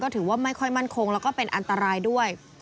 ถือว่าไม่ค่อยมั่นคงแล้วก็เป็นอันตรายด้วย